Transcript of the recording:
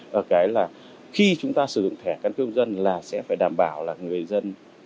và cái là khi chúng ta sử dụng thẻ căn cước công dân là sẽ phải đảm bảo là người dân